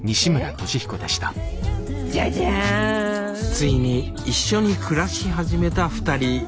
ついに一緒に暮らし始めた２人。